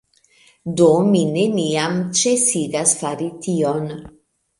Do mi neniam ĉesigas fari tion